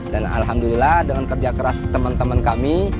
dan alhamdulillah dengan kerja keras teman teman kami